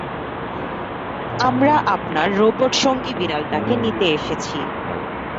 আমরা আপনার রোবট-সঙ্গী বিড়ালটাকে নিতে এসেছি।